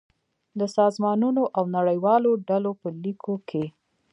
د سازمانونو او نړیوالو ډلو په ليکو کې